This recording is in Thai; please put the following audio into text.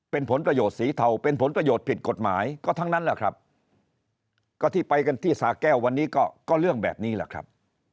เป็นผลประโยชน์สีเทาเป็นผลประโยชน์ผิดกฎหมายก็ทั้งนั้นแหละครับก็ที่ไปกันที่สาแก้ววันนี้ก็เรื่องแบบนี้แหละครับ